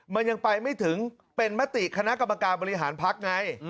มันยังไปไม่ถึงเป็นมติคณะกรรมการบริหารพักไง